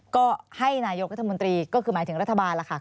ก็ให้นายกรัฐมนตรีก็คือหมายถึงรัฐบาลล่ะค่ะ